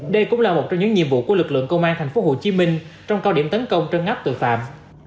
đây cũng là một trong những nhiệm vụ của lực lượng công an tp hcm trong cao điểm tấn công trân ngắp tội phạm